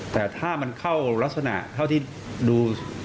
แต่ถ้ามันเข้ารักษณะเท่าที่ดู